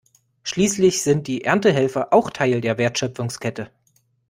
Schließlich sind die Erntehelfer auch Teil der Wertschöpfungskette.